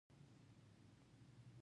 ښوونکي د خط په هر تفصیل سخت ول.